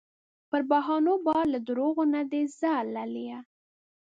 پر بهانو بار له دروغو نه دې ځار لالیه